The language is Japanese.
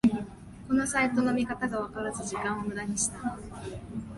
このサイトの見方がわからず時間をムダにした